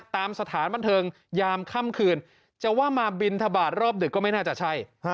สถานบันเทิงยามค่ำคืนจะว่ามาบินทบาทรอบดึกก็ไม่น่าจะใช่